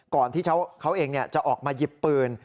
ก่อนที่เขาเองจะออกมาหยิบปืน